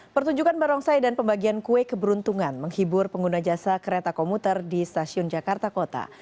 pertunjukan barongsai dan pembagian kue keberuntungan menghibur pengguna jasa kereta komuter di stasiun jakarta kota